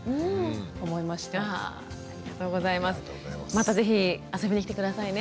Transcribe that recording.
また是非遊びに来て下さいね。